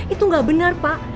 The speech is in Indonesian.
itu gak benar pak